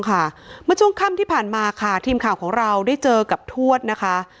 เมื่อช่วงค่ำที่ผ่านมาค่ะทีมข่าวของเราได้เจอกับทวดนะคะ